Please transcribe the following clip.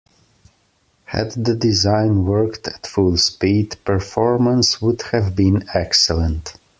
Had the design worked at full speed, performance would have been excellent.